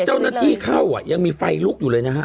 เจ้าหน้าที่เข้าอ่ะยังมีไฟลุกอยู่เลยนะฮะ